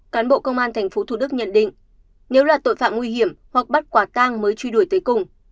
cán bộ công an tp thủ đức nhận định nếu là tội phạm nguy hiểm hoặc bắt quả tang mới truy đuổi tới cùng